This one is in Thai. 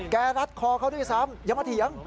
รัดคอเขาด้วยซ้ำอย่ามาเถียง